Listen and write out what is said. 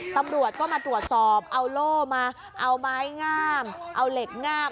ตำรวจก็มาตรวจสอบเอาโล่มาเอาไม้งามเอาเหล็กง่าบ